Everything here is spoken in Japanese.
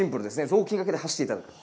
雑巾がけで走っていただくと。